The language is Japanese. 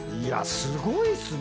すごいっすね。